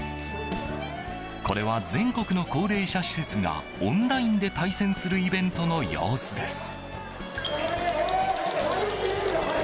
これは全国の高齢者施設がオンラインで対戦するイベントの様子です。